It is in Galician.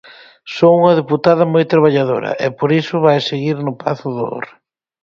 "Son unha deputada moi traballadora" e por iso vai seguir no Pazo do Hórreo.